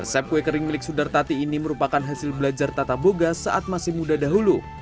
resep kue kering milik sudartati ini merupakan hasil belajar tata boga saat masih muda dahulu